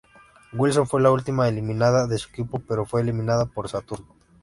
Wilson fue la última eliminada de su equipo, pero fue eliminada por Saturn.